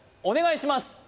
お願いします